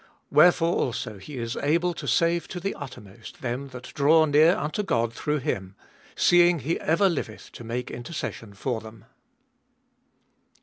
25. Wherefore also he is able to save to the uttermost1 them that draw near unto God through hi™, seeing he ever liveth to make intercession for them.